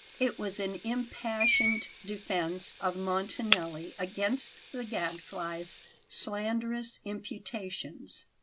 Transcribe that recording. It was an impassioned defence of Montanelli against the Gadfly's slanderous imputations.